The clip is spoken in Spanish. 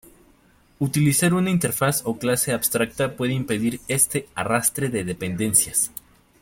Utilizar una interfaz o clase abstracta puede impedir este "arrastre" de dependencias.